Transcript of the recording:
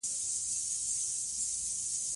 د ولس ملاتړ د هرې پرېکړې د بریا او مشروعیت بنسټ جوړوي